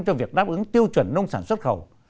cho việc đáp ứng tiêu chuẩn nông sản xuất khẩu